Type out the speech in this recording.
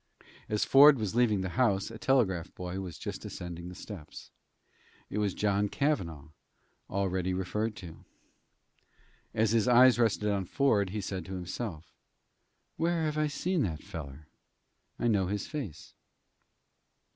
As Ford was leaving the house a telegraph boy was just ascending the steps. It was John Cavanagh, already referred to. As his eyes rested on Ford, he said to himself: "Where have I seen that feller? I know his face."